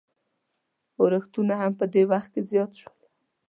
اورښتونه هم په دې وخت کې زیات شول.